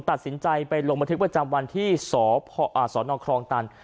ตัดสินใจไปลงบันทึกประจำวันที่สนครองตัน